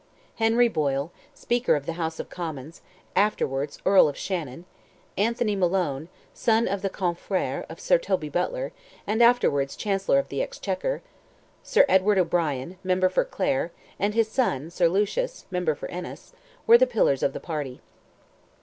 Henry Boyle, speaker of the House of Commons, afterwards Earl of Shannon; Anthony Malone—son of the confrere of Sir Toby Butler, and afterwards Chancellor of the Exchequer, Sir Edward O'Brien, member for Clare, and his son, Sir Lucius, member for Ennis, were the pillars of the party.